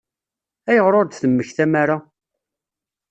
Ayɣer ur d-temmektam ara?